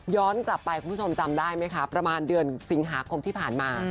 กลับไปคุณผู้ชมจำได้ไหมคะประมาณเดือนสิงหาคมที่ผ่านมา